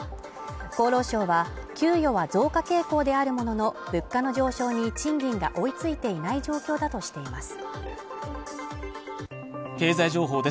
厚労省は給与は増加傾向であるものの物価の上昇に賃金が追いついていない状況だとしています